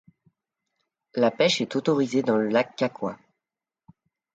La pêche est autorisée dans le lac Kakwa.